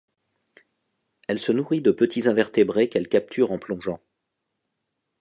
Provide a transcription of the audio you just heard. Elle se nourrit de petits invertébrés qu'elle capture en plongeant.